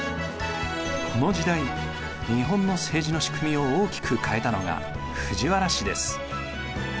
この時代日本の政治の仕組みを大きく変えたのが藤原氏です。